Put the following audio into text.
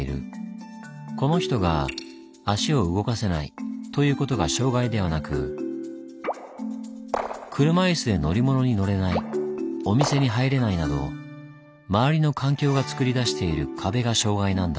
この人が足を動かせないということが障害ではなく車いすで乗り物に乗れないお店に入れないなど周りの環境がつくりだしている壁が障害なんだ。